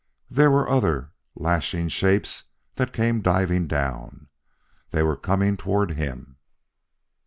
There were other lashing shapes that came diving down. They were coming toward him.